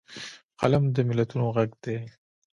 قلم د ملتونو غږ دی